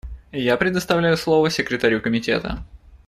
Я предоставляю слово секретарю Комитета.